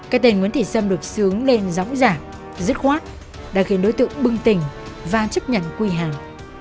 các tên nguyễn thị sâm được xướng lên rõ ràng dứt khoát đã khiến đối tượng bưng tỉnh và chấp nhận quy hạn